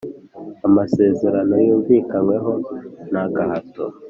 amasezerano yumvikanyweho nta gahato